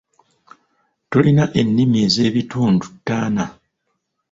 Tulina ennimi ez'ebitundu taana.